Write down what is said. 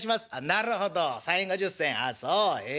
「なるほど３円５０銭あっそうへえ。